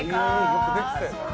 よく出てたよな。